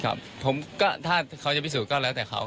ผมก็ถ้าเขาจะพิสูจน์ก็แล้วแต่เขา